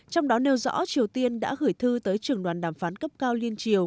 trong đó nêu rõ triều tiên đã gửi thư tới trưởng đoàn đàm phán cấp cao liên triều